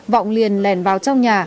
vọng liền lèn vào trong nhà